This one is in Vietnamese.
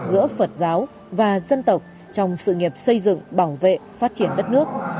giữa phật giáo và dân tộc trong sự nghiệp xây dựng bảo vệ phát triển đất nước